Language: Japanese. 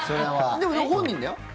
でも、本人だよ。